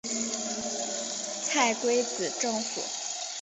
蔡圭字正甫。